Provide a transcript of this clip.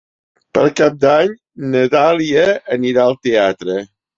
Per Cap d'Any na Dàlia anirà al teatre.